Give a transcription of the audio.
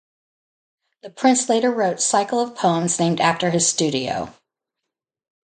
The prince later wrote cycle of poems named after his studio.